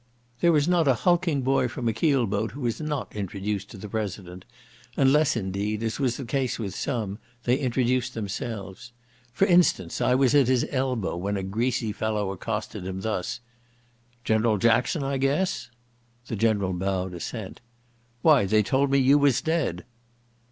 'There was not a hulking boy from a keel boat who was not introduced to the President, unless, indeed, as was the case with some, they introduced themselves: for instance, I was at his elbow when a greasy fellow accosted him thus: "General Jackson, I guess?" 'The General bowed assent. "Why they told me you was dead."